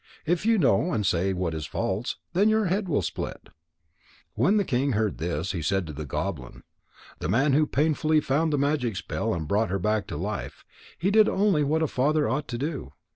If you know and say what is false, then your head will split. When the king heard this, he said to the goblin: "The man who painfully found the magic spell and brought her back to life, he did only what a father ought to do.